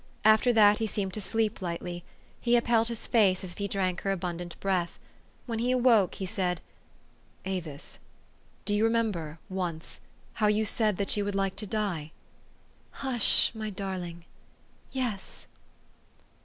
After that he seemed to sleep lightly : he upheld his face as if he drank her abundant breath. When he awoke, he said, " Avis, do you remember once how you said that you would like to die ?''" Hush, my darling ! yes."